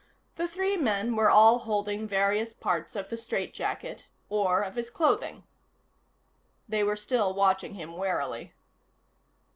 The three men were all holding various parts of the strait jacket or of his clothing. They were still watching him warily.